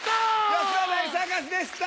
安田大サーカスでした！